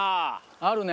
あるね。